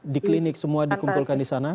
di klinik semua dikumpulkan di sana